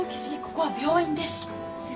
ここは病院です。